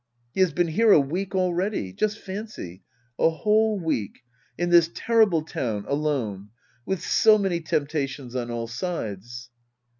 He has been here a week already. Just fancy — a whole week 1 In this terrible town, alone I With so many temptations on all sides.